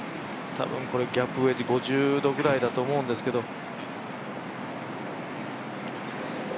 多分ギャップウェッジ５０度くらいだと思うんですけど。